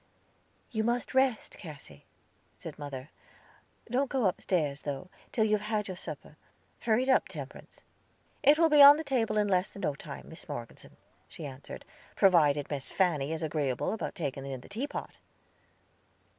"You must rest, Cassy," said mother. "Don't go upstairs, though, till you have had your supper. Hurry it up, Temperance." "It will be on the table in less than no time, Miss Morgeson," she answered, "provided Miss Fanny is agreeable about taking in the teapot."